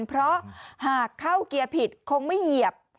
เพราะหากเข้าเกียร์ผิดคงไม่เหยียบ